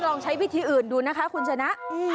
ลองใช้วิธีอื่นดูนะคะคุณชนะ